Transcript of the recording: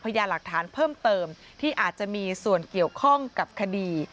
พยายามหลักฐานเพิ่มเติมที่อาจจะมีส่วนเกี่ยวข้องกับคดี